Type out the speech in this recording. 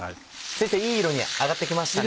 先生いい色に揚がってきましたね。